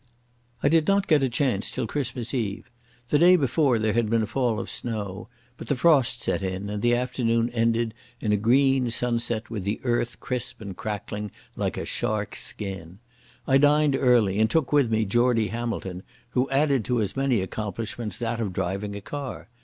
I did not get a chance till Christmas Eve. The day before there had been a fall of snow, but the frost set in and the afternoon ended in a green sunset with the earth crisp and crackling like a shark's skin. I dined early, and took with me Geordie Hamilton, who added to his many accomplishments that of driving a car.